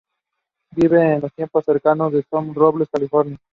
Viva en el tiempo en cercano Sherman Robles, California.